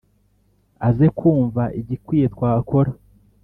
Aze kumva igikwiye twakora.